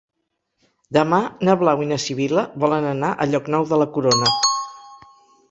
Demà na Blau i na Sibil·la volen anar a Llocnou de la Corona.